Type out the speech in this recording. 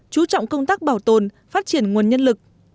chú trọng công tác bảo tồn phát triển nguồn nhân lực